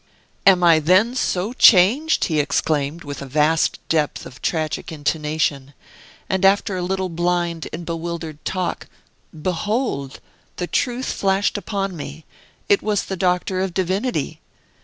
"Am I then so changed?" he exclaimed with a vast depth of tragic intonation; and after a little blind and bewildered talk, behold! the truth flashed upon me. It was the Doctor of Divinity!